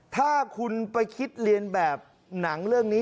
ถ้าคุณไปคิดเรียนแบบหนังเรื่องนี้